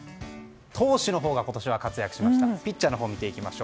投手のほうが今年は活躍しました。